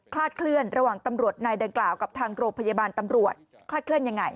ลาดเคลื่อนระหว่างตำรวจนายดังกล่าวกับทางโรงพยาบาลตำรวจคลาดเคลื่อนยังไง